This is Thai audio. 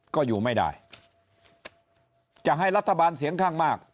ก็อยู่ไม่ได้จะให้รัฐบาลเสียงข้างมาก